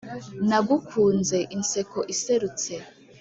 nagukunze inseko iserutse